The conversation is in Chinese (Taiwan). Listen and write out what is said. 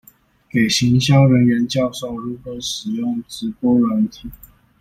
給行銷人員教授如何使用直播軟體